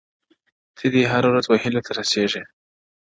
ته دې هره ورځ و هيلو ته رسېږې،